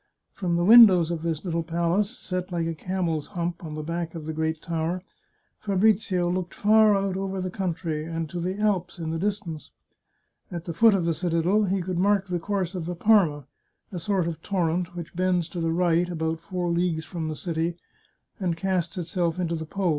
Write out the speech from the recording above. From the windows of this little palace, set like a camel's hump on the back of the great tower, Fabrizio looked far out over the country, and to the Alps in the distance. At the foot of the citadel he could mark the course of the Parma, a sort of torrent which bends to the right, about four leagues from the city, and casts itself into the Po.